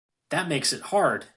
That makes it hard!